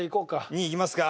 ２位いきますか。